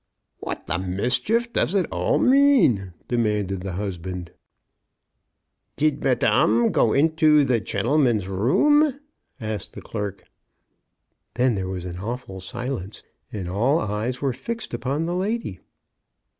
"What the mischief does it all mean?" de manded the husband. '' Did madame go into the gentleman's ' 50 CHRISTMAS AT THOMPSON HALL. room ?" asked the clerk. Then there was an awful silence, and all eyes were fixed upon the lady.